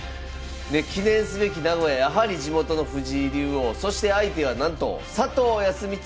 記念すべき名古屋やはり地元の藤井竜王そして相手はなんと佐藤康光会長。